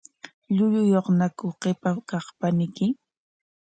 ¿Llulluyuqñaku qipa kaq paniyki?